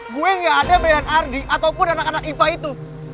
gue gak ada bayan ardi ataupun anak anak ipa itu